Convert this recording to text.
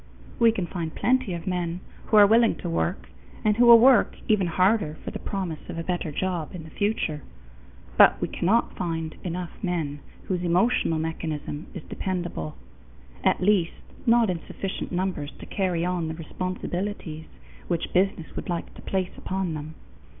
We can find plenty of men who are willing to work, and who will work even harder for the promise of a better job in the future. But we cannot find enough men whose emotional mechanism is dependable at least not in sufficient numbers to carry on the responsibilities which business would like to place upon them.